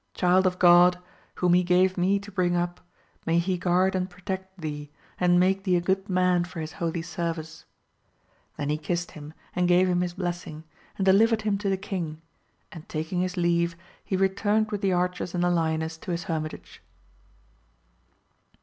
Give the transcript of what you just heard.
Child of Grod, whom he gave me to bring up, may he guard and protect thee, and make thee a good man for his holy service ! then he kissed him and gave him his blessing, and delivered him to the king, and taking his leave he returned with the archers and the lioness to his hermitage.